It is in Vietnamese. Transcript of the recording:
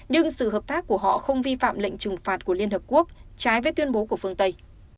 nhưng sự hợp tác của họ không vi phạm lệnh trừng phạt của liên hợp quốc trái với tuyên bố của phương tây